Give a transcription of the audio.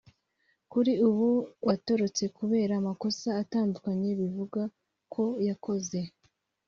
kuri ubu watorotse kubera amakosa atandukanye bivugwa ko yakoze